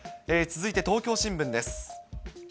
続いて東京新聞です。